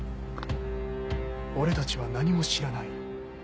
俺たちは何も知らない。